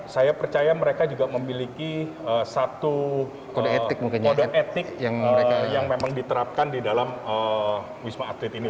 saya percaya mereka juga memiliki satu kode etik yang memang diterapkan di dalam wisma atlet ini